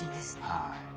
はい。